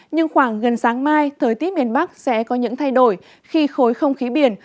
nhưng khoảng gần sáng mai thời tiết miền bắc sẽ có những thay đổi khi khối không khí biển